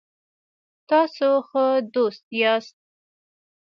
تاسو ښه دوست یاست